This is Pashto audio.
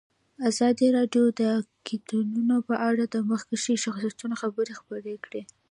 ازادي راډیو د اقلیتونه په اړه د مخکښو شخصیتونو خبرې خپرې کړي.